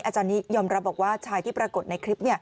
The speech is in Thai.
อาจารย์นี้ยอมรับบอกว่าชายที่ปรากฏในคลิป